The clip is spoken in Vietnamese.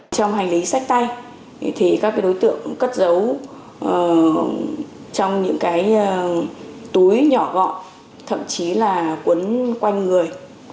trong hành lý sách tay thì các đối tượng cất giấu trong những cái túi nhỏ gọn thậm chí là quấn quanh người